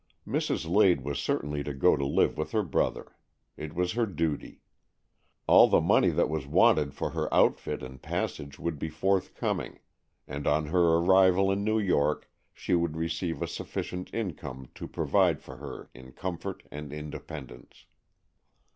Mrs. Lade was certainly to go to live with her brother. It was her duty. All the money that was wanted for her outfit and passage would be forthcoming, and on her arrival in New York she would receive a sufficient income to provide for her in com fort and independence.